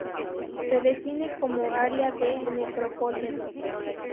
Se define como área de necrópolis.